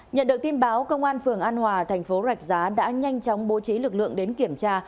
nhận được tin báo công an phường an hòa thành phố rạch giá đã nhanh chóng bố trí lực lượng đến kiểm tra